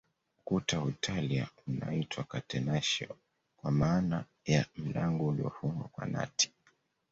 Ukuta wa Italia unaitwa Catenacio kwa maana ya mlango uliofungwa kwa nati